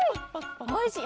おいしい！